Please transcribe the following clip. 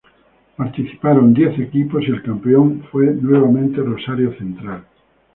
Participaron diez equipos y el campeón fue nuevamente Rosario Central.